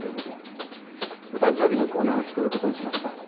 お誕生日のコーナーを作ることにしました。